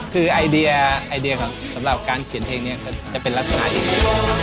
คือไอเดียสำหรับการเขียนเพลงนี้จะเป็นลักษณะอีก